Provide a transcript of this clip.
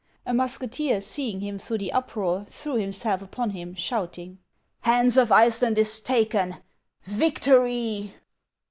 A mus keteer, seeing him through the uproar, threw himself upon him, shouting, " Hans of Iceland is taken ! Victory